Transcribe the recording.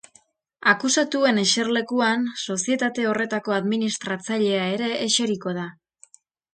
Akusatuen eserlekuan sozietate horretako administratzailea ere eseriko da.